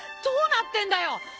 どうなってんだよ！？